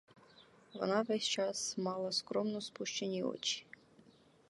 Вона весь час мала скромно спущені очі.